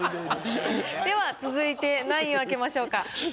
では続いて何位を開けましょうか？